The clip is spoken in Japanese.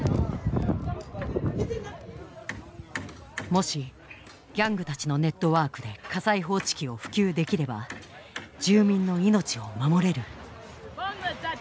もしギャングたちのネットワークで火災報知器を普及できれば住民の命を守れる。